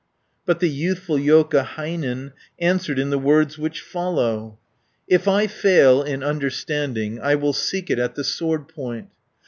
But the youthful Joukahainen Answered in the words which follow: "If I fail in understanding, I will seek it at the sword point.